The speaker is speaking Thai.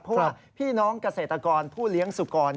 เพราะว่าพี่น้องเกษตรกรผู้เลี้ยงสุกร